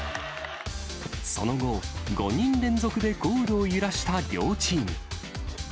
その後、５人連続でゴールを揺らした両チーム。